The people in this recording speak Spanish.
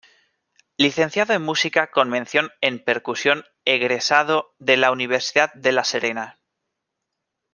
Licenciado en Música con mención en Percusión egresado de la Universidad de la Serena.